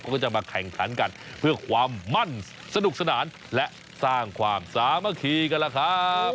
ก็จะมาแข่งขันกันเพื่อความมั่นสนุกสนานและสร้างความสามัคคีกันล่ะครับ